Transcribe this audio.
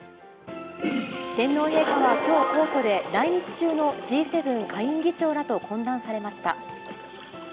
天皇陛下はきょう皇居で、来日中のＧ７下院議長らと懇談されました。